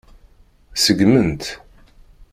Seggmen-tt.